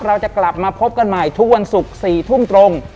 เราจะกลับมาพบกันใหม่ทุกวันศุกร์๔ทุ่มตรง